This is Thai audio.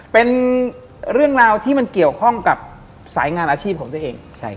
เป็นเรื่องราวที่มันเกี่ยวข้องกับสายงานอาชีพของตัวเอง